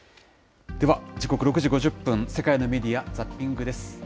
では、時刻６時５０分、世界のメディア・ザッピングです。